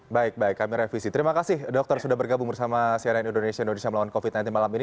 baik baik kami revisi terima kasih dokter sudah bergabung bersama cnn indonesia indonesia melawan covid sembilan belas malam ini